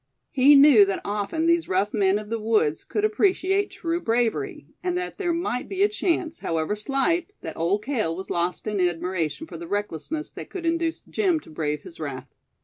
He knew that often these rough men of the woods could appreciate true bravery; and that there might be a chance, however slight, that Old Cale was lost in admiration for the recklessnes that could induce Jim to brave his wrath.